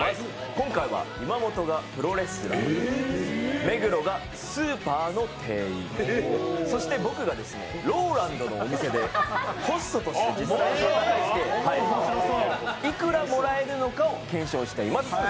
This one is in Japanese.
今回は岩本がプロレスラー、目黒がスーパーの店員、そして僕がですね、ＲＯＬＡＮＤのお店でホストとして実際に働いていくらもらえるのかを検証しています。